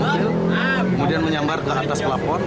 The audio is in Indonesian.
kemudian menyambar ke atas pelapor